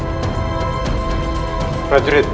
aku hanya membunuh adipati arya